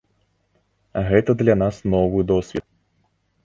Гэта для нас новы досвед.